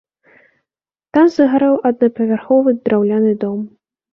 Там згарэў аднапавярховы драўляны дом.